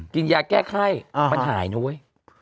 กินยาแก้ไข้มันหายนะเว้ย